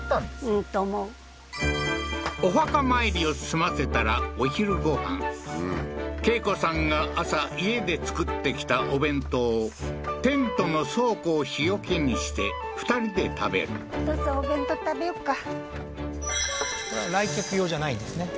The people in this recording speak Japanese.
うんと思うお墓参りを済ませたらお昼ご飯恵子さんが朝家で作ってきたお弁当をテントの倉庫を日よけにしてふたりで食べるお父さんお弁当食べよっかこれは来客用じゃないんですね